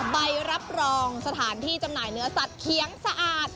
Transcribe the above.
ใบรับรองสถานที่จำหน่ายเนื้อสัตว์เคียงสะอาด